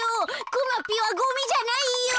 くまぴはゴミじゃないよ。